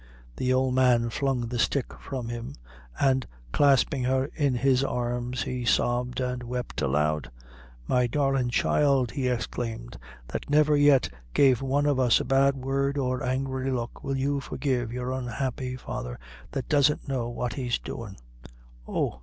The old man flung the stick from him, and clasping her in his arms, he sobbed and wept aloud. "My darlin' child," he exclaimed, "that never yet gave one of us a bad word or angry look will you forgive your unhappy father, that doesn't know what he's doin'! Oh!